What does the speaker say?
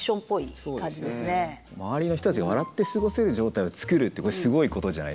周りの人たちが笑って過ごせる状態を作るってこれすごいことじゃないですか。